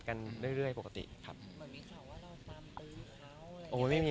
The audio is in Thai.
ก็มีไปคุยกับคนที่เป็นคนแต่งเพลงแนวนี้